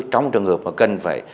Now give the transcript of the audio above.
trong trường hợp mà cần phải